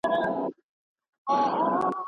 ثمرګل ته د خپلې کورنۍ راتلونکی ډېر مهم دی.